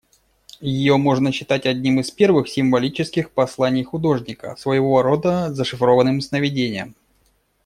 Ее можно считать одним из первых символических посланий художника, своего рода зашифрованным «сновидением».